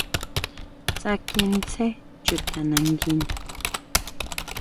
Tsákie tsjen chuta nanguina.